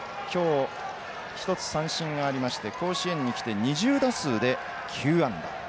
今日１つ三振がありまして甲子園に来て２０打数で９安打。